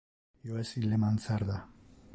Io es in le mansarda.